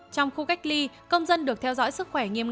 trong khu cách ly công dân được theo dõi